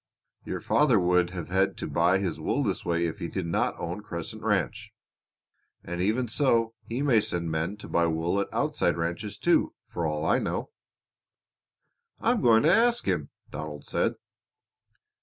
Your father would have to buy his wool this way if he did not own Crescent Ranch; and even so he may send men to buy wool at outside ranches too, for all I know." "I am going to ask him," Donald said.